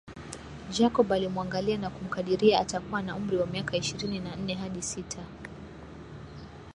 Jacob alimuangalia na kumkadiria atakuwa na umri wa miaka ishirini na nne hadi sita